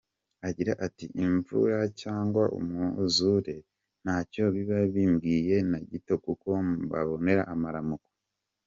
Agira ati:'Imvura cyangwa umwuzure ntacyo biba bimbwiye na gito kuko mpabonera amaramuko.